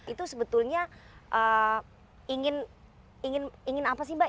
itu sebetulnya ingin apa sih mbak